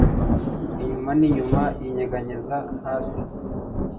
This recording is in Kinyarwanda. inyuma n'inyuma, yinyeganyeza, hasi